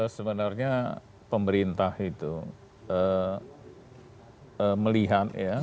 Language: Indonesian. sebenarnya pemerintah itu melihat ya